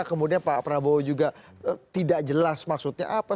kemudian pak prabowo juga tidak jelas maksudnya apa